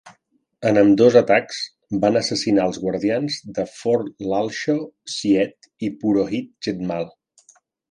En ambdós atacs, van assassinar els guardians de Fort Lalshah Syed i Purohit Jethmal.